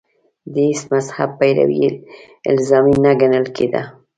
د هېڅ مذهب پیروي الزامي نه ګڼل کېده